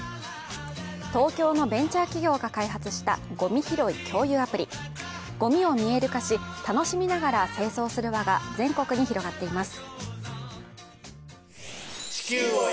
東京のベンチャー企業が開発したごみ拾い共有アプリごみを見える化し、楽しみながら清掃する輪が全国に広がっています。